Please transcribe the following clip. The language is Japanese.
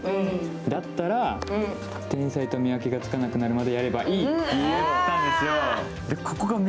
だったら天才と見分けがつかなくなるまでやればいいって言ったんですよ。